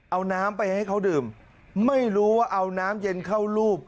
เอาน้ำไปให้เขาดื่มไม่รู้ว่าเอาน้ำเย็นเข้ารูป